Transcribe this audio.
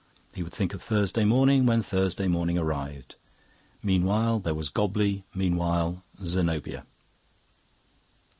He would think of Thursday morning when Thursday morning arrived. Meanwhile there was Gobley, meanwhile Zenobia.